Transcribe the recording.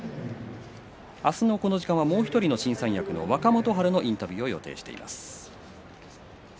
明日のこの時間はもう１人の新三役の若元春のインタビューを予定しています。